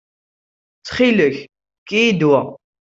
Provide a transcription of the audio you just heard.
Ttxil-k, efk-iyi-d wa.